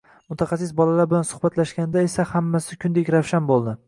Mutaxassis bolalar bilan suhbatlashganda esa hammasi kundek ravshan boʻldi